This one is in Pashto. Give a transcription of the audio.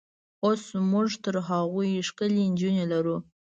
اوس موږ تر هغوی ښکلې نجونې لرو.